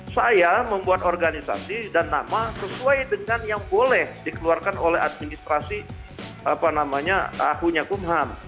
saya membuat organisasi dan nama sesuai dengan yang boleh dikeluarkan oleh administrasi apa namanya ahu nya kumham